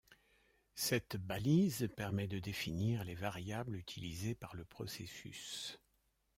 Cette balise permet de définir les variables utilisées par le processus.